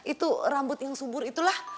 itu rambut yang subur itulah